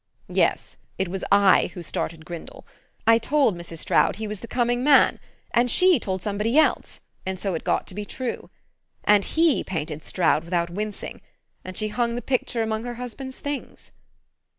Yes, it was I who started Grindle: I told Mrs. Stroud he was the 'coming' man, and she told somebody else, and so it got to be true.... And he painted Stroud without wincing; and she hung the picture among her husband's things...."